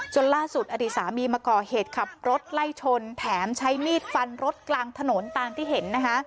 ล่าสุดอดีตสามีมาก่อเหตุขับรถไล่ชนแถมใช้มีดฟันรถกลางถนนตามที่เห็นนะคะ